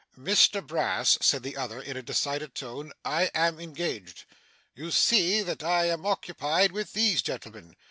'Mr Brass,' said the other, in a decided tone, 'I am engaged. You see that I am occupied with these gentlemen.